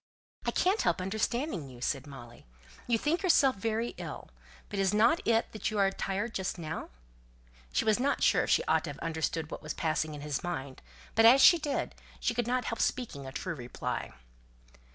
"I can't help understanding you," said Molly. "You think yourself very ill; but isn't it that you are tired just now?" She was not sure if she ought to have understood what was passing in his mind; but as she did, she could not help speaking a true reply.